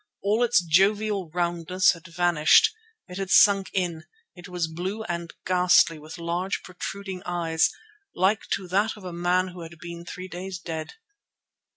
All its jovial roundness had vanished. It had sunk in; it was blue and ghastly with large, protruding eyes, like to that of a man who had been three days dead.